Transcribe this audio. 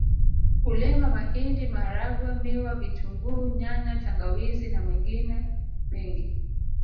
Hulima mahindi maharagwe miwa vitunguu nyanya tangawizi na mengine mengi